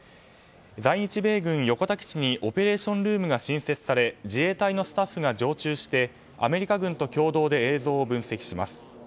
在日米軍、横田基地にオペレーションルームが新設され自衛隊のスタッフが常駐してアメリカ軍と共同で映像を分析します。